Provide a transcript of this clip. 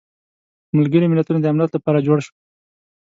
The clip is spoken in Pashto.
ملګري ملتونه د امنیت لپاره جوړ شول.